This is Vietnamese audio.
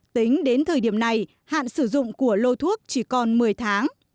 tính đến thời điểm này hạn sử dụng của lô thuốc chỉ còn một mươi tháng